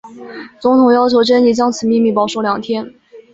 总统要求珍妮将此秘密保守两天。